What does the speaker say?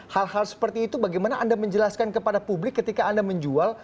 hal hal seperti itu bagaimana anda menjelaskan kepada publik ketika anda menjual